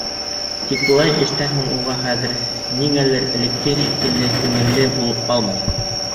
Тик былай эштән һуң уға хәҙер ниңәлер элекке шикелле күңелле булып ҡалмай.